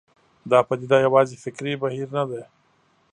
دا پدیده یوازې فکري بهیر نه ده.